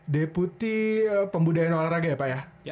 deputi pembudayaan olahraga ya pak ya